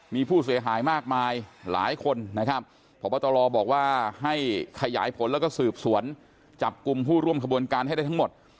มีผู้เสียหายมากมายหลายคนนะครับพบตรบอกว่าให้ขยายผลแล้วก็สืบสวนจับกลุ่มผู้ร่วมขบวนการให้ได้ทั้งหมด